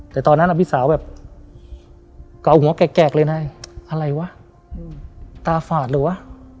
แต่ตอนนั้นอะพี่สาวแบบเกาะหัวแกรกแกรกเลยนะอะไรวะตาฝาดเลยวะ